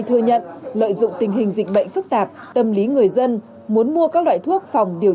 thừa nhận lợi dụng tình hình dịch bệnh phức tạp tâm lý người dân muốn mua các loại thuốc phòng điều